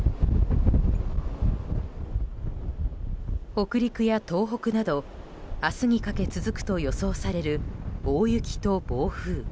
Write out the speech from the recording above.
北陸や東北など明日にかけ続くと予想される大雪と暴風。